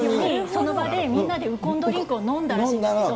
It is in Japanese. その場でみんなでウコンドリンクを飲んだらしいんですけど。